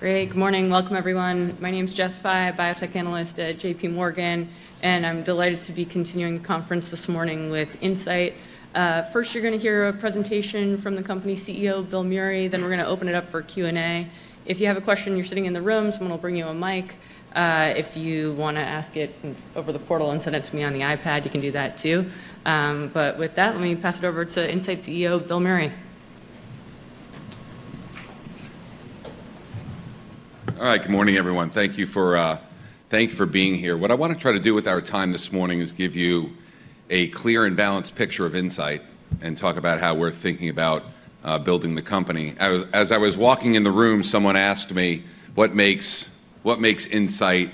Great. Good morning. Welcome, everyone. My name's Jess Fye, biotech analyst at JPMorgan, and I'm delighted to be continuing the conference this morning with Incyte. First, you're going to hear a presentation from the company CEO, Bill Meury. Then we're going to open it up for Q&A. If you have a question you're sitting in the room, someone will bring you a mic. If you want to ask it over the portal and send it to me on the iPad, you can do that, too. But with that, let me pass it over to Incyte CEO, Bill Meury. All right. Good morning, everyone. Thank you for being here. What I want to try to do with our time this morning is give you a clear and balanced picture of Incyte and talk about how we're thinking about building the company. As I was walking in the room, someone asked me, what makes Incyte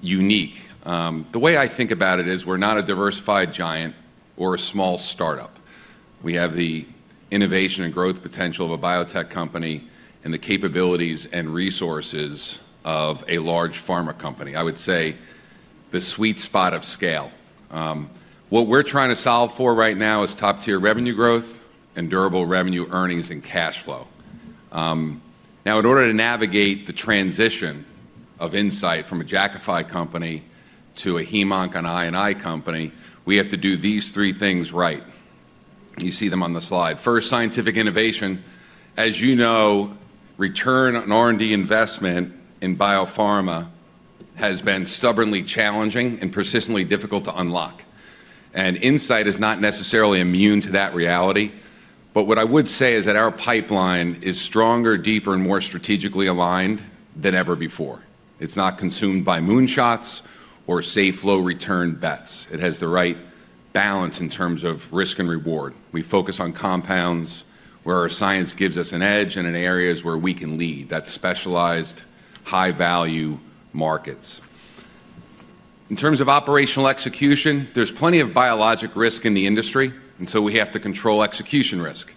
unique? The way I think about it is we're not a diversified giant or a small startup. We have the innovation and growth potential of a biotech company and the capabilities and resources of a large pharma company. I would say the sweet spot of scale. What we're trying to solve for right now is top-tier revenue growth and durable revenue earnings and cash flow. Now, in order to navigate the transition of Incyte from a Jakafi company to a Heme/Onc and I&I company, we have to do these three things right. You see them on the slide. First, scientific innovation. As you know, return on R&D investment in biopharma has been stubbornly challenging and persistently difficult to unlock, and Incyte is not necessarily immune to that reality, but what I would say is that our pipeline is stronger, deeper, and more strategically aligned than ever before. It's not consumed by moonshots or safe, low-return bets. It has the right balance in terms of risk and reward. We focus on compounds where our science gives us an edge and in areas where we can lead. That's specialized, high-value markets. In terms of operational execution, there's plenty of biologic risk in the industry, and so we have to control execution risk.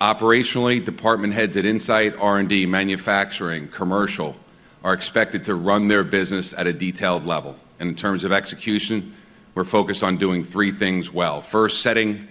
Operationally, department heads at Incyte, R&D, manufacturing, and commercial are expected to run their business at a detailed level, and in terms of execution, we're focused on doing three things well. First, setting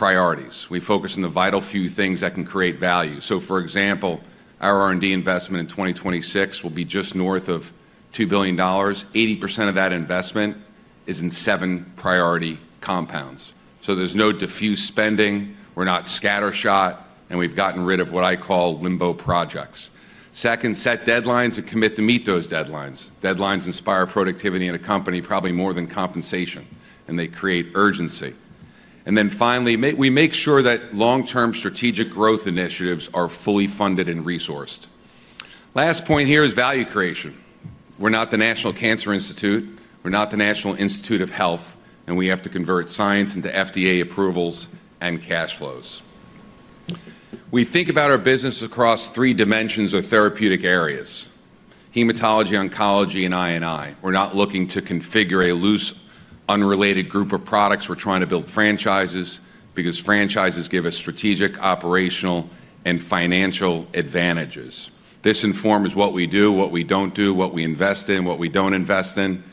priorities. We focus on the vital few things that can create value. So, for example, our R&D investment in 2026 will be just north of $2 billion. 80% of that investment is in seven priority compounds. So there's no diffuse spending. We're not scattershot, and we've gotten rid of what I call limbo projects. Second, set deadlines and commit to meet those deadlines. Deadlines inspire productivity in a company probably more than compensation, and they create urgency. And then finally, we make sure that long-term strategic growth initiatives are fully funded and resourced. Last point here is value creation. We're not the National Cancer Institute. We're not the National Institutes of Health, and we have to convert science into FDA approvals and cash flows. We think about our business across three dimensions or therapeutic areas: hematology, oncology, and I&I. We're not looking to configure a loose, unrelated group of products. We're trying to build franchises because franchises give us strategic, operational, and financial advantages. This informs what we do, what we don't do, what we invest in, what we don't invest in,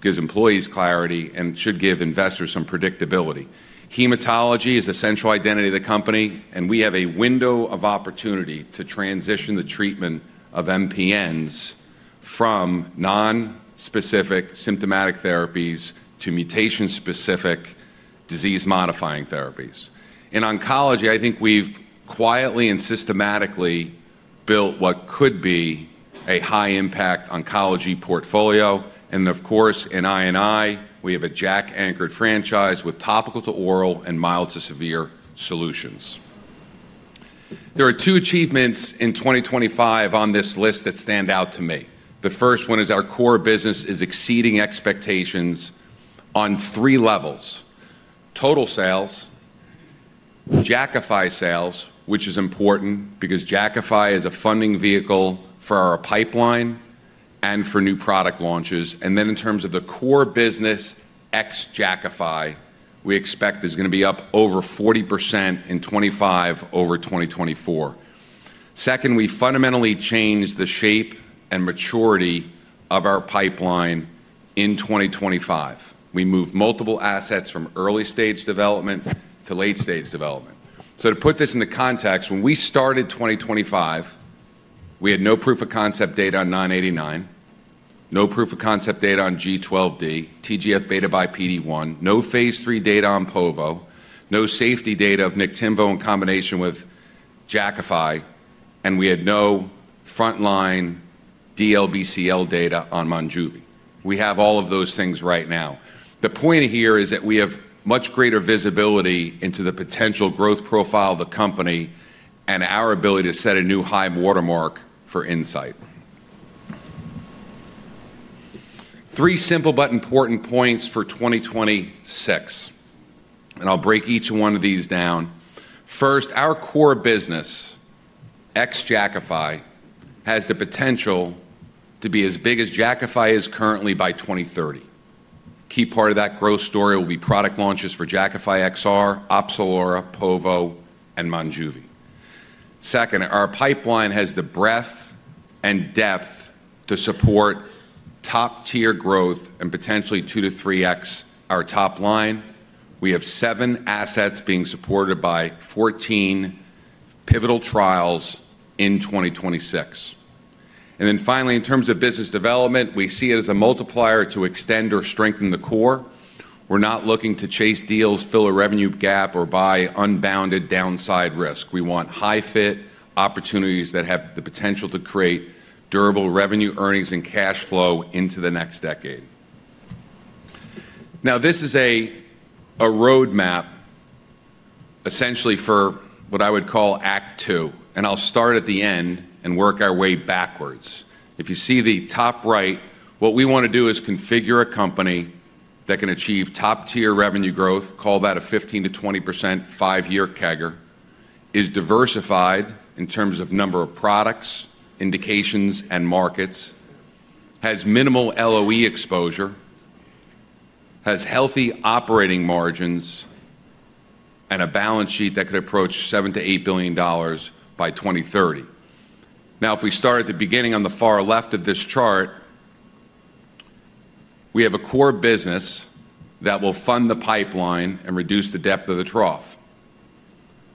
gives employees clarity, and should give investors some predictability. Hematology is a central identity of the company, and we have a window of opportunity to transition the treatment of MPNs from nonspecific symptomatic therapies to mutation-specific disease-modifying therapies. In oncology, I think we've quietly and systematically built what could be a high-impact oncology portfolio. And of course, in I&I, we have a JAK-anchored franchise with topical to oral and mild to severe solutions. There are two achievements in 2025 on this list that stand out to me. The first one is our core business is exceeding expectations on three levels: total sales, Jakafi sales, which is important because Jakafi is a funding vehicle for our pipeline and for new product launches. Then in terms of the core business, ex-Jakafi, we expect is going to be up over 40% in 2025 over 2024. Second, we fundamentally changed the shape and maturity of our pipeline in 2025. We moved multiple assets from early-stage development to late-stage development. To put this into context, when we started 2025, we had no proof of concept data on 989, no proof of concept data on G12D, TGF-beta PD-1, no phase 3 data on Povo, no safety data of Niktimvo in combination with Jakafi, and we had no frontline DLBCL data on Monjuvi. We have all of those things right now. The point here is that we have much greater visibility into the potential growth profile of the company and our ability to set a new high watermark for Incyte. Three simple but important points for 2026, and I'll break each one of these down. First, our core business, ex-Jakafi, has the potential to be as big as Jakafi is currently by 2030. Key part of that growth story will be product launches for Jakafi XR, Opzelura, povocitinib, and Monjuvi. Second, our pipeline has the breadth and depth to support top-tier growth and potentially 2 to 3x our top line. We have seven assets being supported by 14 pivotal trials in 2026. And then finally, in terms of business development, we see it as a multiplier to extend or strengthen the core. We're not looking to chase deals, fill a revenue gap, or buy unbounded downside risk. We want high-fit opportunities that have the potential to create durable revenue earnings and cash flow into the next decade. Now, this is a roadmap essentially for what I would call Act Two, and I'll start at the end and work our way backwards. If you see the top right, what we want to do is configure a company that can achieve top-tier revenue growth, call that a 15%-20% five-year CAGR, is diversified in terms of number of products, indications, and markets, has minimal LOE exposure, has healthy operating margins, and a balance sheet that could approach $7-$8 billion by 2030. Now, if we start at the beginning on the far left of this chart, we have a core business that will fund the pipeline and reduce the depth of the trough.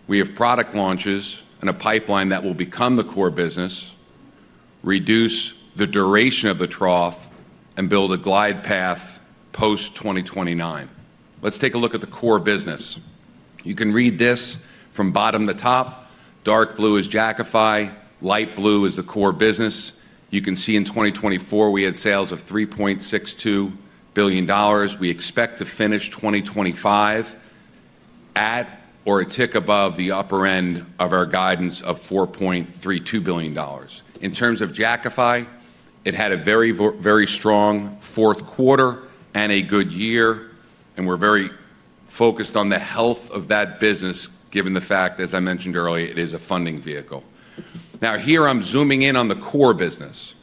We have product launches and a pipeline that will become the core business, reduce the duration of the trough, and build a glide path post-2029. Let's take a look at the core business. You can read this from bottom to top. Dark blue is Jakafi. Light blue is the core business. You can see in 2024, we had sales of $3.62 billion. We expect to finish 2025 at or a tick above the upper end of our guidance of $4.32 billion. In terms of Jakafi, it had a very, very strong fourth quarter and a good year, and we're very focused on the health of that business given the fact, as I mentioned earlier, it is a funding vehicle. Now, here I'm zooming in on the core business,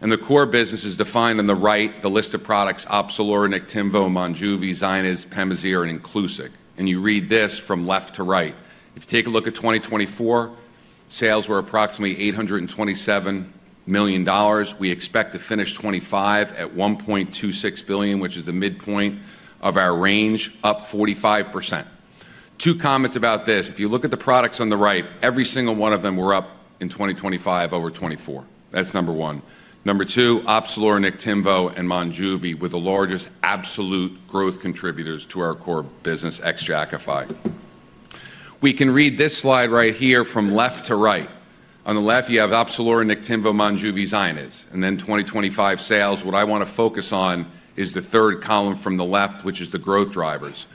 and the core business is defined on the right, the list of products: Opzelura, Niktimvo, Monjuvi, Zynyz, Pemazyre, and Iclusig. You read this from left to right. If you take a look at 2024, sales were approximately $827 million. We expect to finish 2025 at $1.26 billion, which is the midpoint of our range, up 45%. Two comments about this. If you look at the products on the right, every single one of them were up in 2025 over 2024. That's number one. Number two, Opzelura, Niktimvo, and Monjuvi were the largest absolute growth contributors to our core business, ex-Jakafi. We can read this slide right here from left to right. On the left, you have Opzelura, Niktimvo, Monjuvi, Zynyz. And then 2025 sales, what I want to focus on is the third column from the left, which is the growth drivers.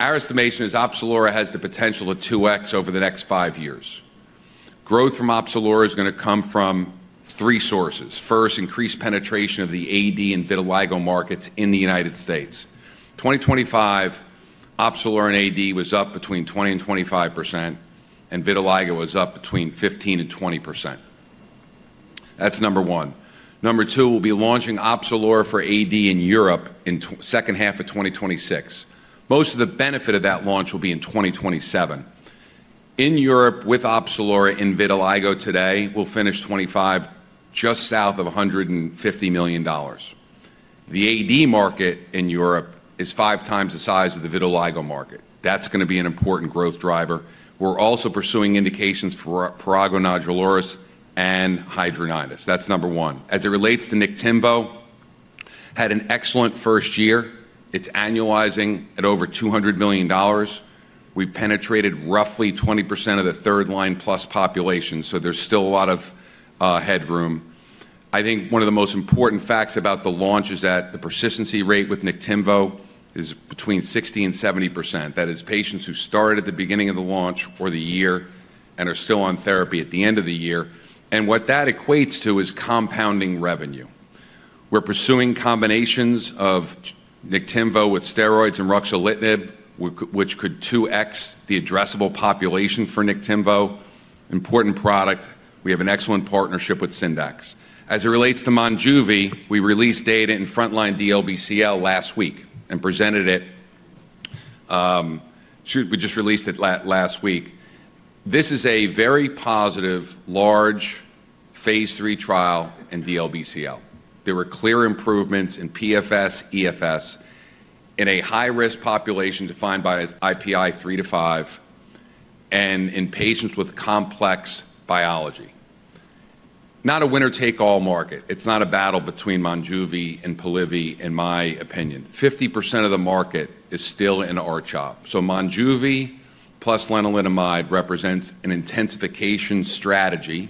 Our estimation is Opzelura has the potential to 2x over the next five years. Growth from Opzelura is going to come from three sources. First, increased penetration of the AD and vitiligo markets in the United States. In 2025, Opzelura and AD was up between 20% and 25%, and vitiligo was up between 15% and 20%. That's number one. Number two, we'll be launching Opzelura for AD in Europe in the second half of 2026. Most of the benefit of that launch will be in 2027. In Europe, with Opzelura and vitiligo today, we'll finish 2025 just south of $150 million. The AD market in Europe is five times the size of the vitiligo market. That's going to be an important growth driver. We're also pursuing indications for prurigo nodularis and hidradenitis suppurativa. That's number one. As it relates to Niktimvo, it had an excellent first year. It's annualizing at over $200 million. We've penetrated roughly 20% of the third-line plus population, so there's still a lot of headroom. I think one of the most important facts about the launch is that the persistency rate with Niktimvo is between 60%-70%. That is, patients who started at the beginning of the launch or the year and are still on therapy at the end of the year, and what that equates to is compounding revenue. We're pursuing combinations of Niktimvo with steroids and ruxolitinib, which could 2x the addressable population for Niktimvo. Important product. We have an excellent partnership with Syndax. As it relates to Monjuvi, we released data in frontline DLBCL last week and presented it. We just released it last week. This is a very positive, large phase 3 trial in DLBCL. There were clear improvements in PFS, EFS, in a high-risk population defined by IPI 3-5, and in patients with complex biology. Not a winner-take-all market. It's not a battle between Monjuvi and Polivy, in my opinion. 50% of the market is still in R-CHOP. So Monjuvi plus lenalidomide represents an intensification strategy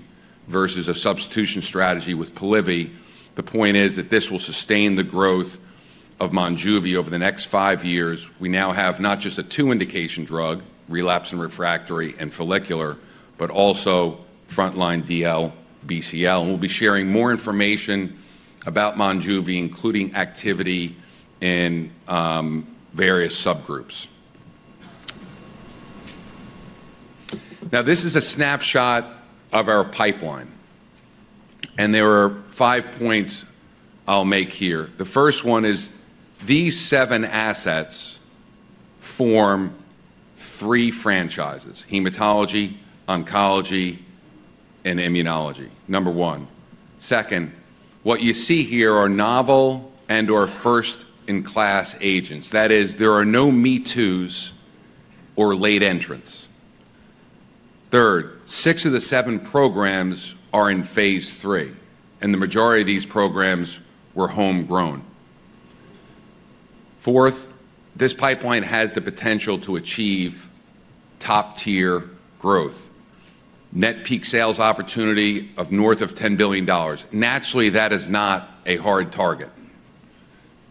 versus a substitution strategy with Polivy. The point is that this will sustain the growth of Monjuvi over the next five years. We now have not just a two-indication drug, relapse and refractory and follicular, but also frontline DLBCL. And we'll be sharing more information about Monjuvi, including activity in various subgroups. Now, this is a snapshot of our pipeline, and there are five points I'll make here. The first one is these seven assets form three franchises: hematology, oncology, and immunology. Number one. Second, what you see here are novel and/or first-in-class agents. That is, there are no me-tos or late entrants. Third, six of the seven programs are in phase III, and the majority of these programs were homegrown. Fourth, this pipeline has the potential to achieve top-tier growth. Net peak sales opportunity of north of $10 billion. Naturally, that is not a hard target.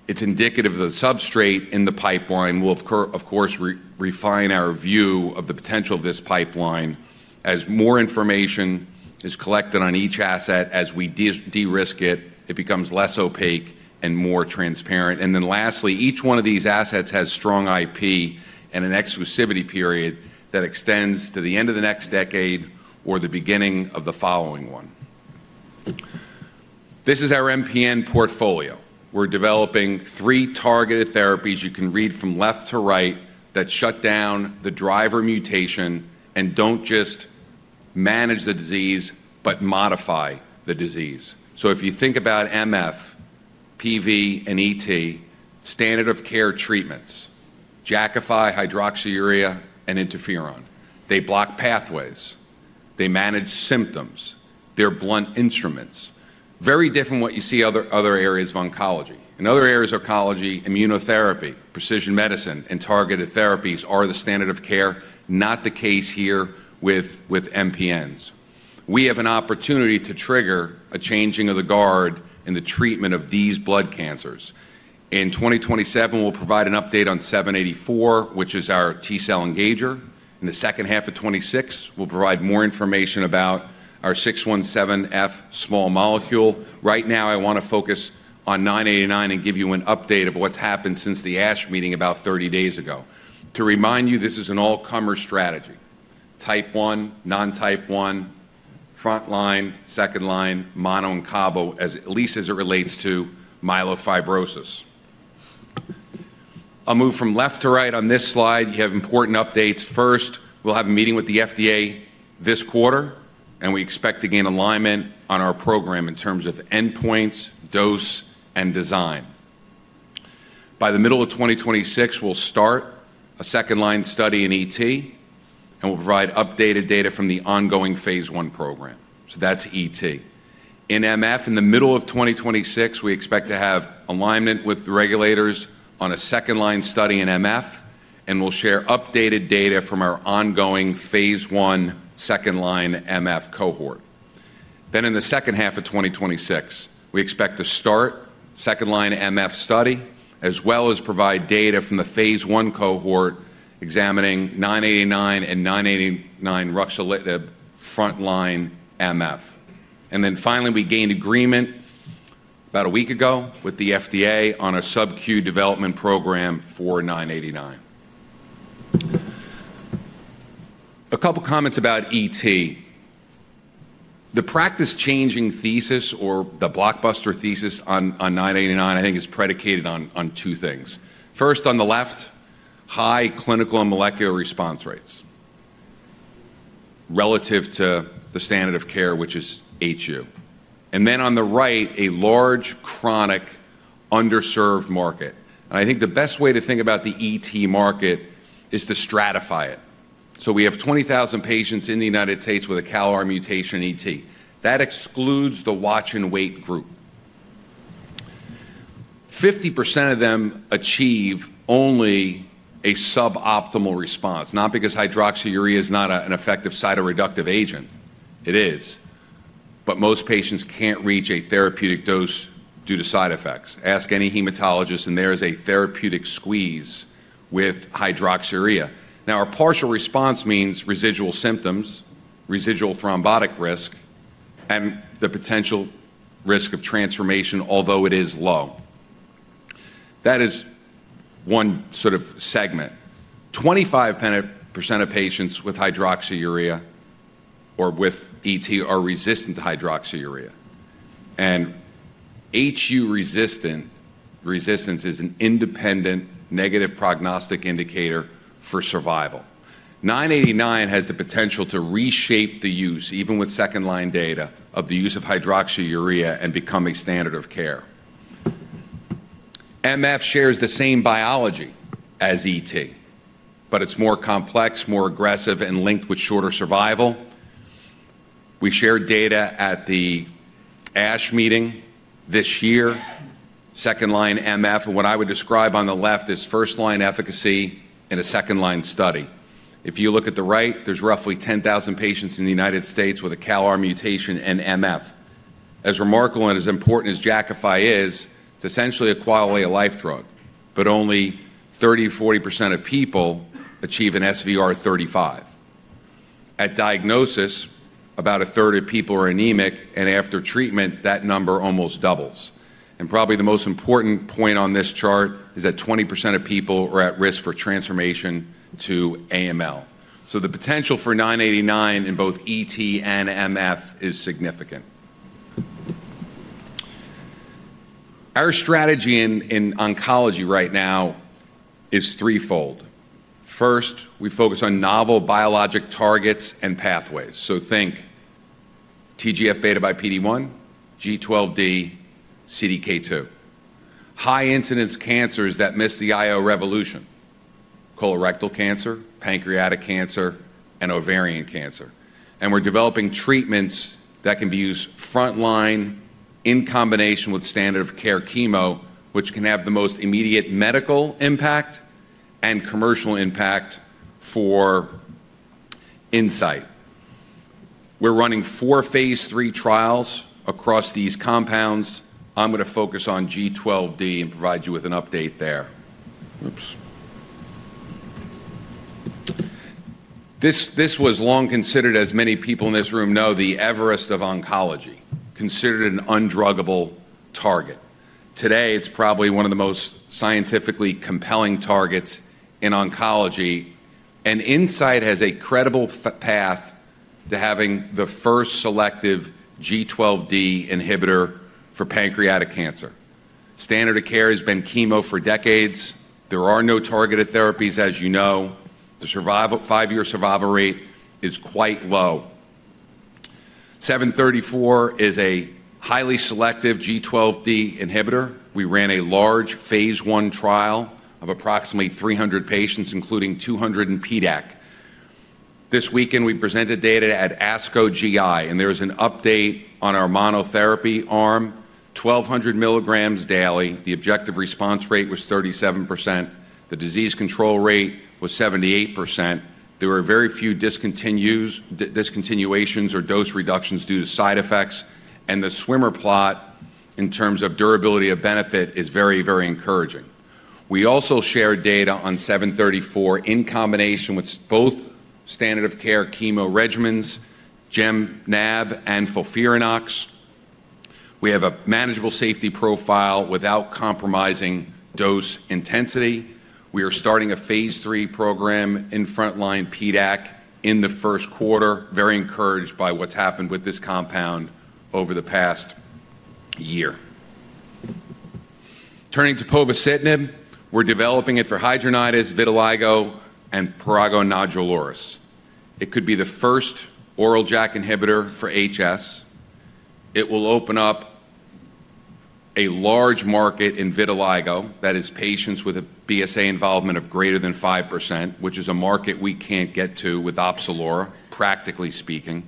It's indicative of the substrate in the pipeline. We'll, of course, refine our view of the potential of this pipeline as more information is collected on each asset as we de-risk it. It becomes less opaque and more transparent. And then lastly, each one of these assets has strong IP and an exclusivity period that extends to the end of the next decade or the beginning of the following one. This is our MPN portfolio. We're developing three targeted therapies you can read from left to right that shut down the driver mutation and don't just manage the disease, but modify the disease. So if you think about MF, PV, and ET, standard of care treatments, Jakafi, hydroxyurea, and interferon. They block pathways. They manage symptoms. They're blunt instruments. Very different from what you see in other areas of oncology. In other areas of oncology, immunotherapy, precision medicine, and targeted therapies are the standard of care, not the case here with MPNs. We have an opportunity to trigger a changing of the guard in the treatment of these blood cancers. In 2027, we'll provide an update on 784, which is our T cell engager. In the second half of 2026, we'll provide more information about our 617F small molecule. Right now, I want to focus on 989 and give you an update of what's happened since the ASH meeting about 30 days ago. To remind you, this is an all-comer strategy. Type 1, non-type 1, frontline, second line, mono and combo, at least as it relates to myelofibrosis. I'll move from left to right on this slide. You have important updates. First, we'll have a meeting with the FDA this quarter, and we expect to gain alignment on our program in terms of endpoints, dose, and design. By the middle of 2026, we'll start a second-line study in ET, and we'll provide updated data from the ongoing phase 1 program. That's ET. In MF, in the middle of 2026, we expect to have alignment with regulators on a second-line study in MF, and we'll share updated data from our ongoing phase 1 second-line MF cohort. In the second half of 2026, we expect to start second-line MF study, as well as provide data from the phase 1 cohort examining 989 and 989 ruxolitinib frontline MF. Finally, we gained agreement about a week ago with the FDA on a sub-Q development program for 989. A couple of comments about ET. The practice-changing thesis or the blockbuster thesis on 989, I think, is predicated on two things. First, on the left, high clinical and molecular response rates relative to the standard of care, which is HU, and then on the right, a large chronic underserved market, and I think the best way to think about the ET market is to stratify it, so we have 20,000 patients in the United States with a CALR mutation ET. That excludes the watch-and-wait group. 50% of them achieve only a suboptimal response. Not because hydroxyurea is not an effective cytoreductive agent. It is, but most patients can't reach a therapeutic dose due to side effects. Ask any hematologist, and there is a therapeutic squeeze with hydroxyurea. Now, our partial response means residual symptoms, residual thrombotic risk, and the potential risk of transformation, although it is low. That is one sort of segment. 25% of patients with hydroxyurea or with ET are resistant to hydroxyurea. And HU resistance is an independent negative prognostic indicator for survival. 989 has the potential to reshape the use, even with second-line data, of the use of hydroxyurea and become a standard of care. MF shares the same biology as ET, but it's more complex, more aggressive, and linked with shorter survival. We shared data at the ASH meeting this year, second-line MF. And what I would describe on the left is first-line efficacy in a second-line study. If you look at the right, there's roughly 10,000 patients in the United States with a CALR mutation and MF. As remarkable and as important as Jakafi is, it's essentially a quality-of-life drug, but only 30%-40% of people achieve an SVR35. At diagnosis, about a third of people are anemic, and after treatment, that number almost doubles. Probably the most important point on this chart is that 20% of people are at risk for transformation to AML. The potential for 989 in both ET and MF is significant. Our strategy in oncology right now is threefold. First, we focus on novel biologic targets and pathways. Think TGF-beta by PD-1, G12D, CDK2. High-incidence cancers that miss the IO revolution: colorectal cancer, pancreatic cancer, and ovarian cancer. We're developing treatments that can be used frontline in combination with standard of care chemo, which can have the most immediate medical impact and commercial impact for Incyte. We're running four phase III trials across these compounds. I'm going to focus on G12D and provide you with an update there. Oops. This was long considered, as many people in this room know, the Everest of oncology, considered an undruggable target. Today, it's probably one of the most scientifically compelling targets in oncology, and Incyte has a credible path to having the first selective G12D inhibitor for pancreatic cancer. Standard of care has been chemo for decades. There are no targeted therapies, as you know. The five-year survival rate is quite low. 734 is a highly selective G12D inhibitor. We ran a large phase I trial of approximately 300 patients, including 200 in PDAC. This weekend, we presented data at ASCO GI, and there is an update on our monotherapy arm, 1,200 milligrams daily. The objective response rate was 37%. The disease control rate was 78%. There were very few discontinuations or dose reductions due to side effects, and the swimmer plot, in terms of durability of benefit, is very, very encouraging. We also shared data on 734 in combination with both standard of care chemo regimens, Gem/Nab, and FOLFIRINOX. We have a manageable safety profile without compromising dose intensity. We are starting a phase III program in frontline PDAC in the first quarter, very encouraged by what's happened with this compound over the past year. Turning to povocitinib, we're developing it for hidradenitis, vitiligo, and prurigo nodularis. It could be the first oral JAK inhibitor for HS. It will open up a large market in vitiligo, that is, patients with a BSA involvement of greater than 5%, which is a market we can't get to with Opzelura, practically speaking.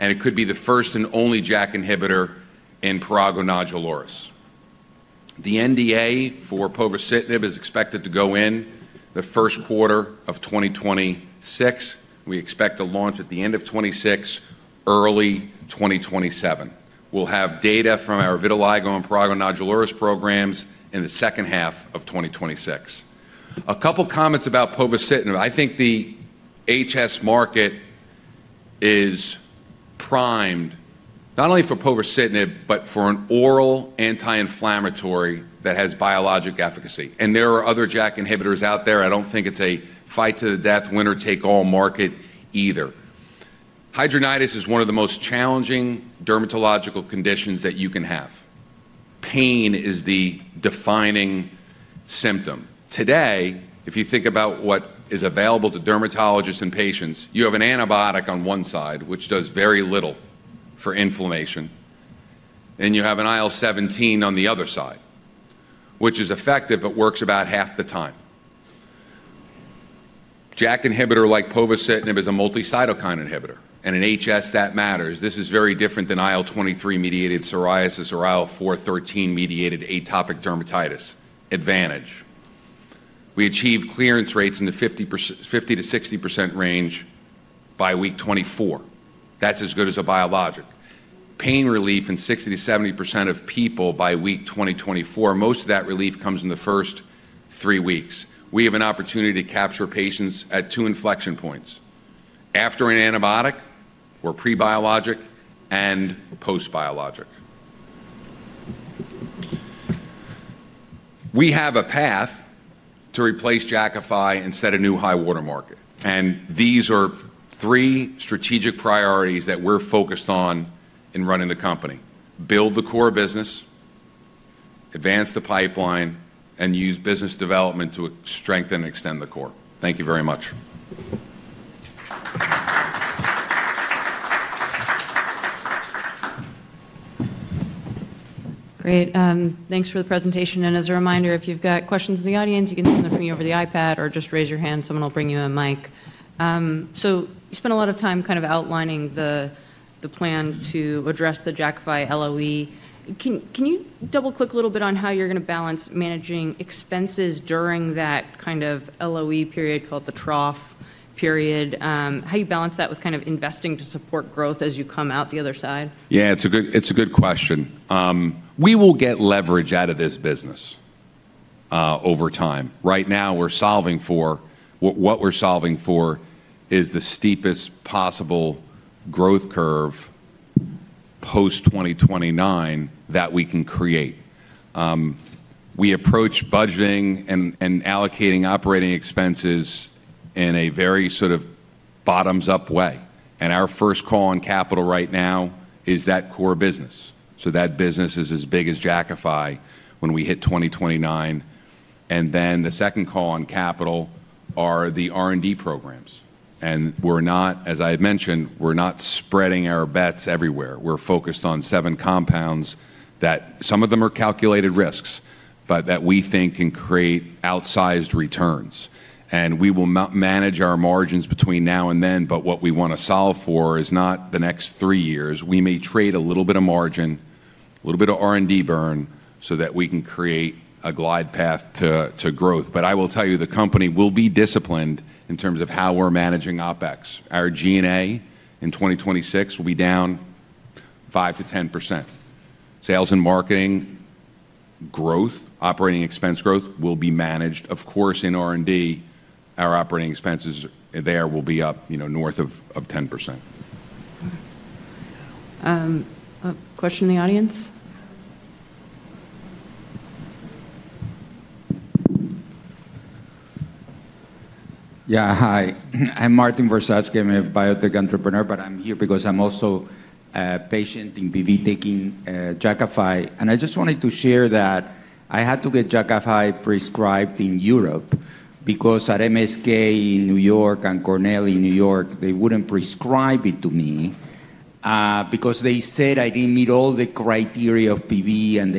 And it could be the first and only JAK inhibitor in prurigo nodularis. The NDA for povocitinib is expected to go in the first quarter of 2026. We expect to launch at the end of 2026, early 2027. We'll have data from our vitiligo and prurigo nodularis programs in the second half of 2026. A couple of comments about povocitinib. I think the HS market is primed not only for povocitinib, but for an oral anti-inflammatory that has biologic efficacy. There are other JAK inhibitors out there. I don't think it's a fight-to-the-death, winner-take-all market either. Hidradenitis is one of the most challenging dermatological conditions that you can have. Pain is the defining symptom. Today, if you think about what is available to dermatologists and patients, you have an antibiotic on one side, which does very little for inflammation, and you have an IL-17 on the other side, which is effective, but works about half the time. JAK inhibitor like povocitinib is a multicytokine inhibitor. In HS, that matters. This is very different than IL-23-mediated psoriasis or IL-4/13-mediated atopic dermatitis. Advantage. We achieve clearance rates in the 50%-60% range by week 24. That's as good as a biologic. Pain relief in 60%-70% of people by week 24. Most of that relief comes in the first three weeks. We have an opportunity to capture patients at two inflection points: after an antibiotic or pre-biologic and post-biologic. We have a path to replace Jakafi and set a new high-water mark. And these are three strategic priorities that we're focused on in running the company: build the core business, advance the pipeline, and use business development to strengthen and extend the core. Thank you very much. Great. Thanks for the presentation. And as a reminder, if you've got questions in the audience, you can send them to me over the iPad or just raise your hand. Someone will bring you a mic. So you spent a lot of time kind of outlining the plan to address the Jakafi LOE. Can you double-click a little bit on how you're going to balance managing expenses during that kind of LOE period called the trough period? How do you balance that with kind of investing to support growth as you come out the other side? Yeah, it's a good question. We will get leverage out of this business over time. Right now, we're solving for what we're solving for is the steepest possible growth curve post-2029 that we can create. We approach budgeting and allocating operating expenses in a very sort of bottoms-up way. And our first call on capital right now is that core business. So that business is as big as Jakafi when we hit 2029. And then the second call on capital are the R&D programs. And as I had mentioned, we're not spreading our bets everywhere. We're focused on seven compounds that some of them are calculated risks, but that we think can create outsized returns. And we will manage our margins between now and then, but what we want to solve for is not the next three years. We may trade a little bit of margin, a little bit of R&D burn so that we can create a glide path to growth. But I will tell you, the company will be disciplined in terms of how we're managing OpEx. Our G&A in 2026 will be down 5%-10%. Sales and marketing growth, operating expense growth will be managed. Of course, in R&D, our operating expenses there will be up north of 10%. A question in the audience? Yeah, hi. I'm Martin Varsavsky. I'm a biotech entrepreneur, but I'm here because I'm also a patient in PV taking Jakafi. And I just wanted to share that I had to get Jakafi prescribed in Europe because at MSK in New York and Cornell in New York, they wouldn't prescribe it to me because they said I didn't meet all the criteria of PV. And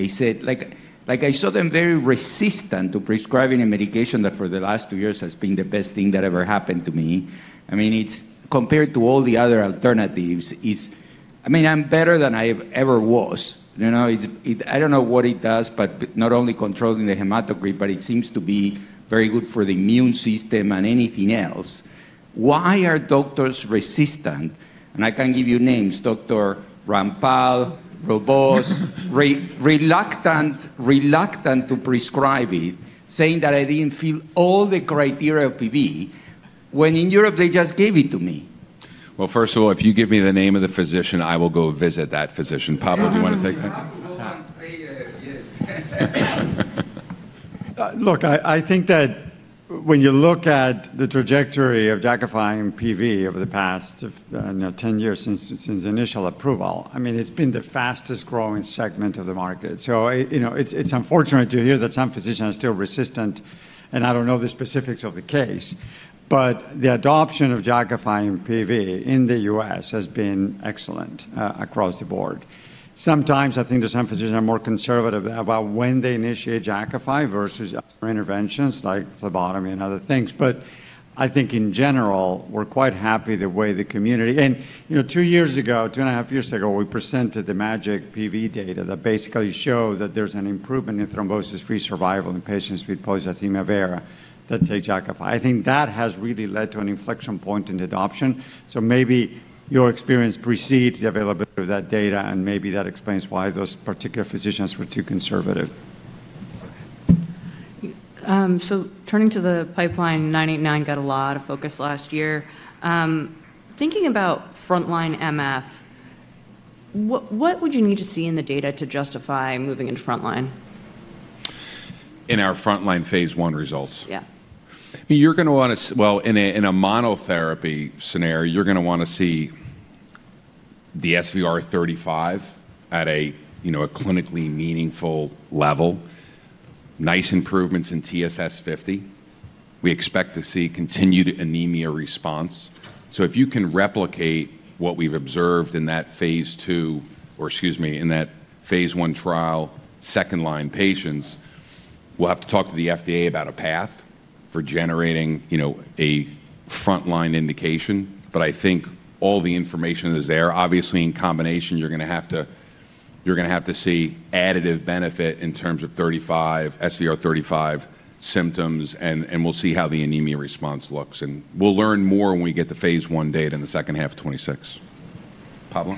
I saw them very resistant to prescribing a medication that for the last two years has been the best thing that ever happened to me. I mean, compared to all the other alternatives, I mean, I'm better than I ever was. I don't know what it does, but not only controlling the hematocrit, but it seems to be very good for the immune system and anything else. Why are doctors resistant? And I can give you names: Dr. Rampal, Roboz, reluctant to prescribe it, saying that I didn't fit all the criteria of PV. When in Europe, they just gave it to me. First of all, if you give me the name of the physician, I will go visit that physician. Pablo, do you want to take that? Look, I think that when you look at the trajectory of Jakafi and PV over the past 10 years since initial approval, I mean, it's been the fastest-growing segment of the market. So it's unfortunate to hear that some physicians are still resistant, and I don't know the specifics of the case, but the adoption of Jakafi and PV in the US has been excellent across the board. Sometimes I think there's some physicians that are more conservative about when they initiate Jakafi versus other interventions like phlebotomy and other things. But I think in general, we're quite happy the way the community and two years ago, two and a half years ago, we presented the MAJIC-PV data that basically showed that there's an improvement in thrombosis-free survival in patients with polycythemia vera that take Jakafi. I think that has really led to an inflection point in adoption. So maybe your experience precedes the availability of that data, and maybe that explains why those particular physicians were too conservative. So turning to the pipeline, 989 got a lot of focus last year. Thinking about frontline MF, what would you need to see in the data to justify moving into frontline? In our frontline phase I results? Yeah. I mean, you're going to want to, well, in a monotherapy scenario, you're going to want to see the SVR35 at a clinically meaningful level, nice improvements in TSS50. We expect to see continued anemia response. So if you can replicate what we've observed in that phase II or, excuse me, in that phase I trial, second-line patients, we'll have to talk to the FDA about a path for generating a frontline indication. But I think all the information is there. Obviously, in combination, you're going to have to see additive benefit in terms of SVR35 symptoms, and we'll see how the anemia response looks. And we'll learn more when we get the phase I data in the second half of 2026. Pablo?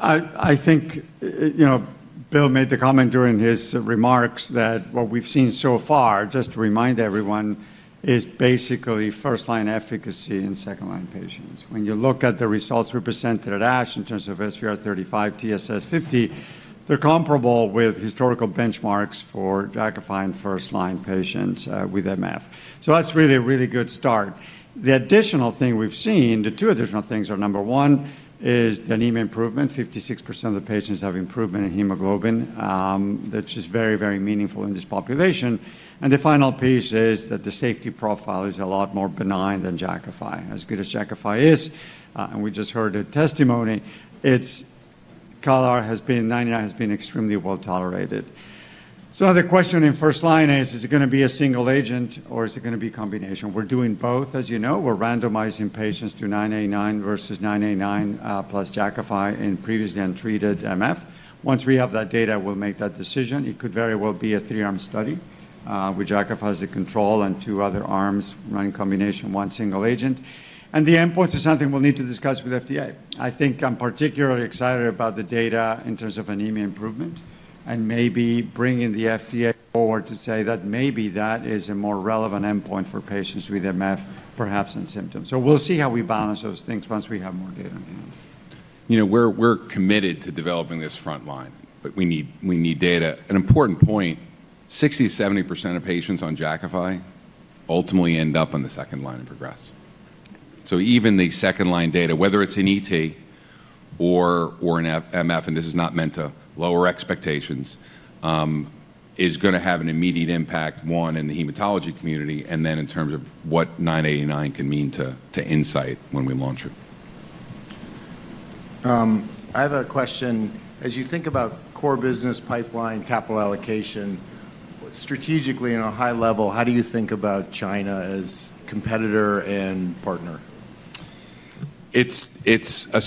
I think Bill made the comment during his remarks that what we've seen so far, just to remind everyone, is basically first-line efficacy in second-line patients. When you look at the results we presented at ASH in terms of SVR35, TSS50, they're comparable with historical benchmarks for Jakafi and first-line patients with MF. So that's really a really good start. The additional thing we've seen, the two additional things are, number one, is the anemia improvement. 56% of the patients have improvement in hemoglobin, which is very, very meaningful in this population. And the final piece is that the safety profile is a lot more benign than Jakafi. As good as Jakafi is, and we just heard a testimony, 989 has been extremely well tolerated. So the question in first line is, is it going to be a single agent, or is it going to be a combination? We're doing both. As you know, we're randomizing patients to 989 versus 989 plus Jakafi in previously untreated MF. Once we have that data, we'll make that decision. It could very well be a three-arm study with Jakafi as the control and two other arms running combination, one single agent, and the endpoints are something we'll need to discuss with the FDA. I think I'm particularly excited about the data in terms of anemia improvement and maybe bringing the FDA forward to say that maybe that is a more relevant endpoint for patients with MF, perhaps in symptoms, so we'll see how we balance those things once we have more data in hand. We're committed to developing this frontline, but we need data. An important point, 60%-70% of patients on Jakafi ultimately end up on the second line and progress. So even the second-line data, whether it's in ET or in MF, and this is not meant to lower expectations, is going to have an immediate impact, one, in the hematology community, and then in terms of what 989 can mean to Incyte when we launch it. I have a question. As you think about core business, pipeline, capital allocation, strategically on a high level, how do you think about China as competitor and partner? It's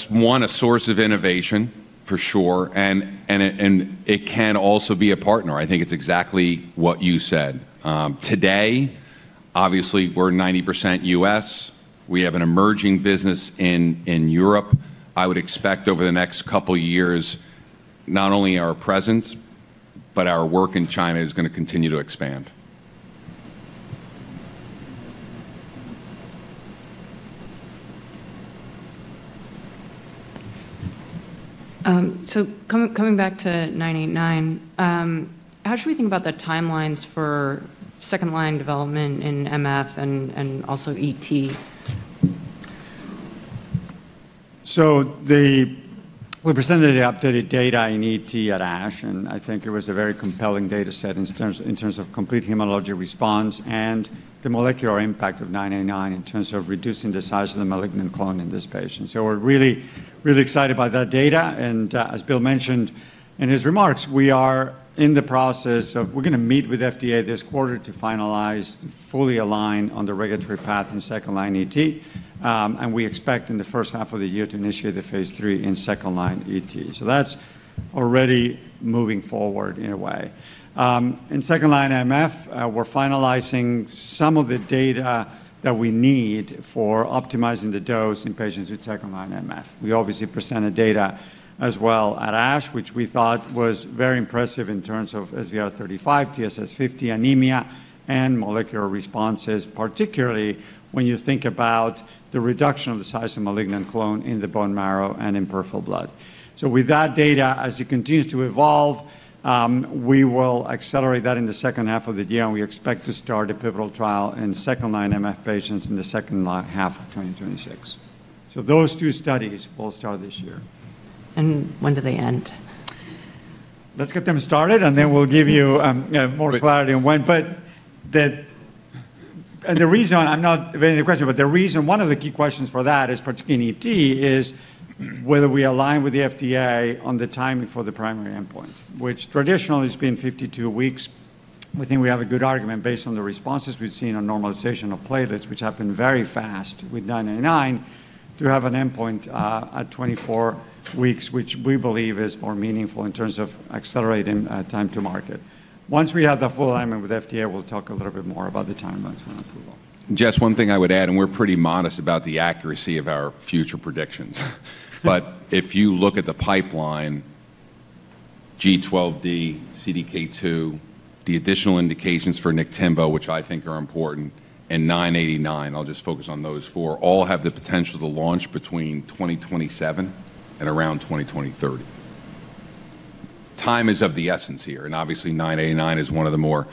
one, a source of innovation, for sure, and it can also be a partner. I think it's exactly what you said. Today, obviously, we're 90% US. We have an emerging business in Europe. I would expect over the next couple of years, not only our presence, but our work in China is going to continue to expand. So coming back to 989, how should we think about the timelines for second-line development in MF and also ET? We presented the updated data in ET at ASH, and I think it was a very compelling data set in terms of complete hematologic response and the molecular impact of 989 in terms of reducing the size of the malignant clone in this patient. We're really, really excited by that data. As Bill mentioned in his remarks, we're going to meet with the FDA this quarter to finalize and fully align on the regulatory path in second-line ET. We expect in the first half of the year to initiate the phase 3 in second-line ET. That's already moving forward in a way. In second-line MF, we're finalizing some of the data that we need for optimizing the dose in patients with second-line MF. We obviously presented data as well at ASH, which we thought was very impressive in terms of SVR35, TSS50, anemia, and molecular responses, particularly when you think about the reduction of the size of malignant clone in the bone marrow and in peripheral blood. So with that data, as it continues to evolve, we will accelerate that in the second half of the year, and we expect to start a pivotal trial in second-line MF patients in the second half of 2026. So those two studies will start this year. When do they end? Let's get them started, and then we'll give you more clarity on when, and the reason I'm not vetting the question, but the reason one of the key questions for that is particularly in ET is whether we align with the FDA on the timing for the primary endpoint, which traditionally has been 52 weeks. I think we have a good argument based on the responses we've seen on normalization of platelets, which have been very fast with 989, to have an endpoint at 24 weeks, which we believe is more meaningful in terms of accelerating time to market. Once we have the full alignment with the FDA, we'll talk a little bit more about the timelines for approval. Jess, one thing I would add, and we're pretty modest about the accuracy of our future predictions. But if you look at the pipeline, G12D, CDK2, the additional indications for Niktimvo, which I think are important, and 989, I'll just focus on those four, all have the potential to launch between 2027 and around 2030. Time is of the essence here. And obviously, 989 is one of the more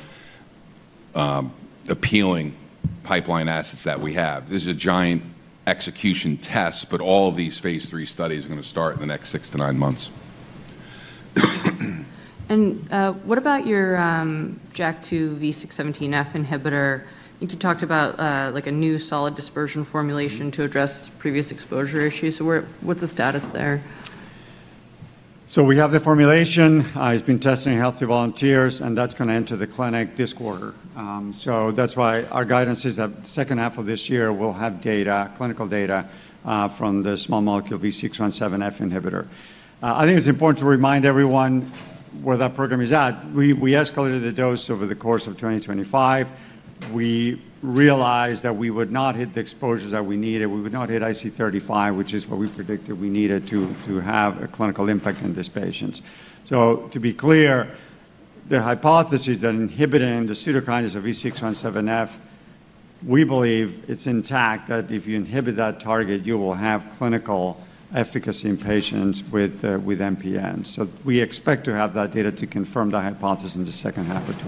appealing pipeline assets that we have. This is a giant execution test, but all of these phase III studies are going to start in the next six to nine months. And what about your JAK2 V617F inhibitor? You talked about a new solid dispersion formulation to address previous exposure issues. So what's the status there? So we have the formulation. It's been tested in healthy volunteers, and that's going to enter the clinic this quarter. So that's why our guidance is that the second half of this year, we'll have data, clinical data from the small molecule V617F inhibitor. I think it's important to remind everyone where that program is at. We escalated the dose over the course of 2025. We realized that we would not hit the exposures that we needed. We would not hit IC35, which is what we predicted we needed to have a clinical impact in these patients. So to be clear, the hypothesis that inhibiting the pseudokinases of V617F, we believe it's intact that if you inhibit that target, you will have clinical efficacy in patients with MPN. So we expect to have that data to confirm the hypothesis in the second half of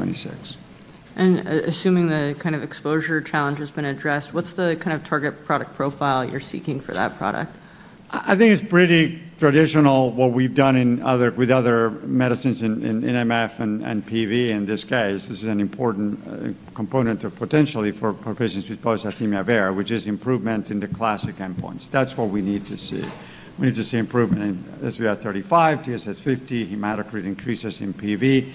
2026. Assuming the kind of exposure challenge has been addressed, what's the kind of target product profile you're seeking for that product? I think it's pretty traditional what we've done with other medicines in MF and PV. In this case, this is an important component potentially for patients with polycythemia vera, which is improvement in the classic endpoints. That's what we need to see. We need to see improvement in SVR35, TSS50, hematocrit increases in PV.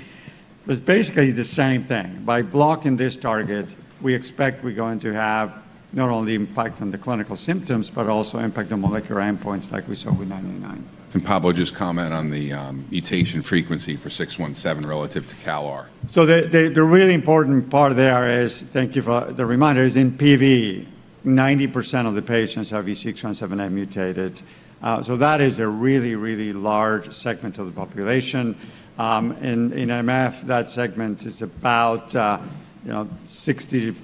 It's basically the same thing. By blocking this target, we expect we're going to have not only impact on the clinical symptoms, but also impact on molecular endpoints like we saw with 989. Pablo, just comment on the mutation frequency for 617 relative to CALR. So the really important part there is, thank you for the reminder, is in PV, 90% of the patients have V617F mutated. So that is a really, really large segment of the population. In MF, that segment is about 60%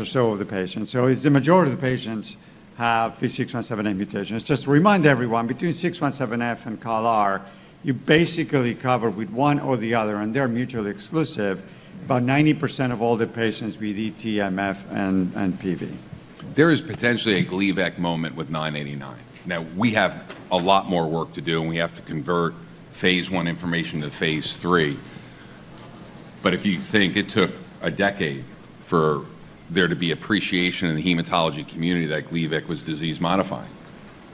or so of the patients. So it's the majority of the patients have V617F mutation. It's just to remind everyone, between 617F and CALR, you basically cover with one or the other, and they're mutually exclusive. About 90% of all the patients with ET, MF, and PV. There is potentially a Gleevec moment with 989. Now, we have a lot more work to do, and we have to convert phase I information to phase III. But if you think it took a decade for there to be appreciation in the hematology community that Gleevec was disease-modifying,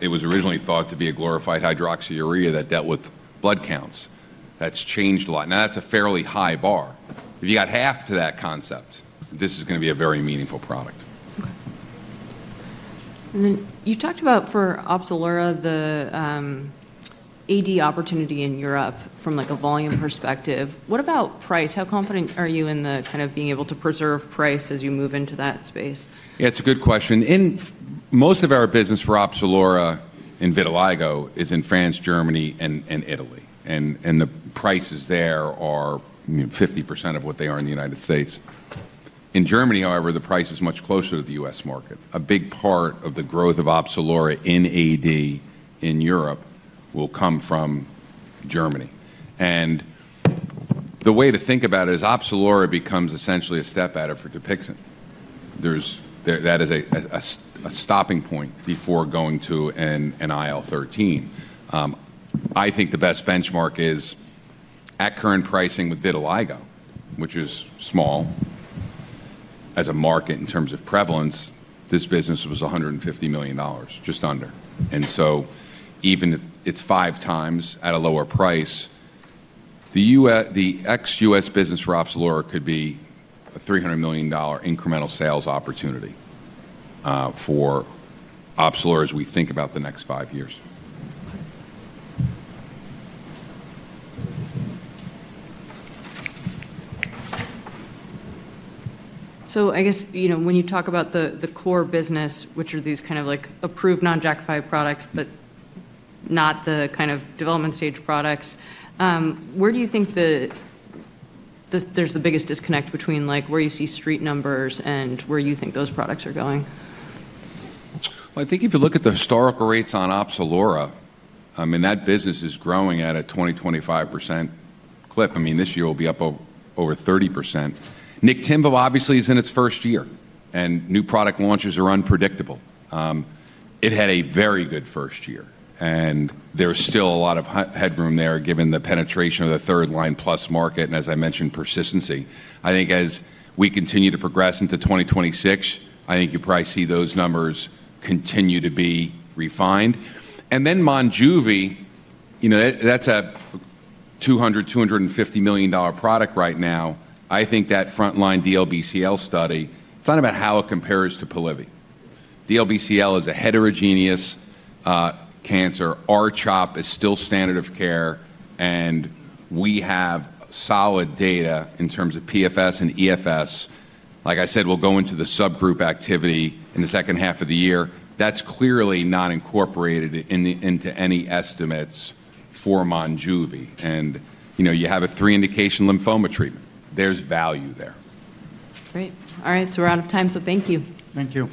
it was originally thought to be a glorified hydroxyurea that dealt with blood counts. That's changed a lot. Now, that's a fairly high bar. If you got half to that concept, this is going to be a very meaningful product. Okay. And then you talked about for Opzelura, the AD opportunity in Europe from a volume perspective. What about price? How confident are you in the kind of being able to preserve price as you move into that space? Yeah, it's a good question. Most of our business for Opzelura and vitiligo is in France, Germany, and Italy. And the prices there are 50% of what they are in the United States. In Germany, however, the price is much closer to the U.S. market. A big part of the growth of Opzelura in AD in Europe will come from Germany. And the way to think about it is Opzelura becomes essentially a step out of for Dupixent. That is a stopping point before going to an IL-13. I think the best benchmark is at current pricing with vitiligo, which is small as a market in terms of prevalence; this business was $150 million, just under. And so even if it's five times at a lower price, the ex-U.S. business for Opzelura could be a $300 million incremental sales opportunity for Opzelura as we think about the next five years. So I guess when you talk about the core business, which are these kind of approved non-Jakafi products, but not the kind of development stage products, where do you think there's the biggest disconnect between where you see street numbers and where you think those products are going? I think if you look at the historical rates on Opzelura, I mean, that business is growing at a 20%-25% clip. I mean, this year will be up over 30%. Niktimvo obviously is in its first year, and new product launches are unpredictable. It had a very good first year. And there's still a lot of headroom there given the penetration of the third-line plus market and, as I mentioned, persistency. I think as we continue to progress into 2026, I think you probably see those numbers continue to be refined. And then Monjuvi, that's a $200-$250 million product right now. I think that frontline DLBCL study, it's not about how it compares to Polivy. DLBCL is a heterogeneous cancer. R-CHOP is still standard of care. And we have solid data in terms of PFS and EFS. Like I said, we'll go into the subgroup activity in the second half of the year. That's clearly not incorporated into any estimates for Monjuvi. And you have a three-indication lymphoma treatment. There's value there. Great. All right. So we're out of time. So thank you. Thank you.